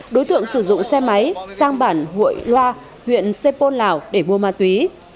đối tượng sử dụng xe máy sang bản hội loa huyện sê pôn lào để mua ma túy